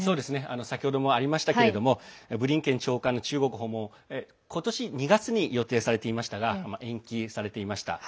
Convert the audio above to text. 先ほどもありましたけどブリンケン長官の中国訪問は今年２月に予定されていましたが延期されていました。